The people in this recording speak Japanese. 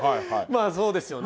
まあそうですよね。